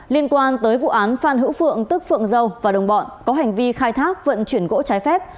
liên quan tới vụ án phan hữu phượng tức phượng dâu và đồng bọn có hành vi khai thác vận chuyển gỗ trái phép